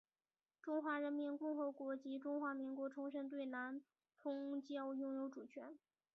中华人民共和国及中华民国重申对南通礁拥有主权。